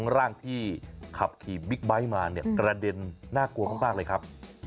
ร่างที่ขับขี่บิ๊กไบท์มาเนี่ยกระเด็นน่ากลัวมากเลยครับ